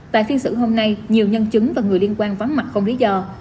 tại phiên xử hôm nay nhiều nhân chứng và người liên quan vắng mặt không lý do